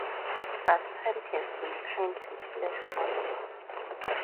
But time has been kind to Flash Gordon.